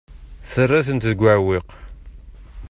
Terra-ten deg uɛewwiq.